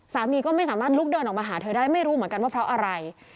สามีก็ไม่สามารถลุกเดินออกมาหาเธอได้ไม่รู้เหมือนกันว่าเพราะอะไร